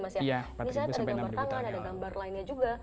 misalnya ada gambar tangan ada gambar lainnya juga